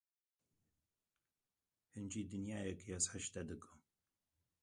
Hincî dinyayekê ez hej te dikim.